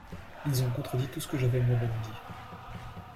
Ils ont contredit tout ce que j’avais moi-même dit.